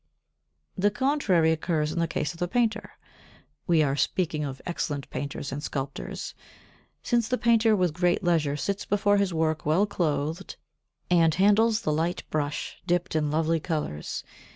The contrary occurs in the case of the painter, we are speaking of excellent painters and sculptors, since the painter with great leisure sits before his work well clothed, and handles the light brush dipped in lovely colours.